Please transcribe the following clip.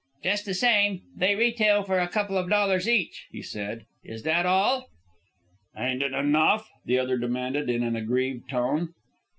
"Just the same, they retail for a couple of dollars each," he said. "Is that all?" "Ain't it enough?" the other demanded in an aggrieved tone.